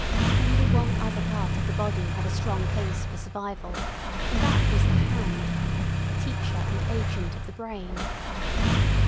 Only one other part of the body had a strong case for survival, and that was the hand, "teacher and agent of the brain."